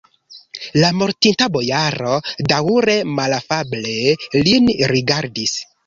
La mortinta bojaro daŭre malafable lin rigardis.